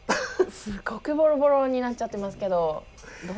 すごくボロボロになっちゃってますけど。